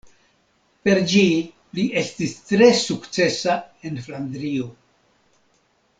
Per ĝi li estis tre sukcesa en Flandrio.